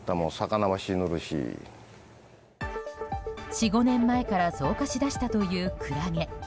４５年前から増加し出したというクラゲ。